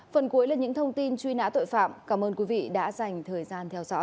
phần cuối là những thông tin truy nã tội phạm cảm ơn quý vị đã dành thời gian theo dõi